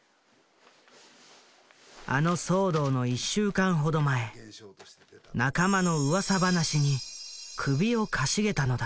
あの騒動の１週間ほど前仲間のうわさ話に首をかしげたのだ。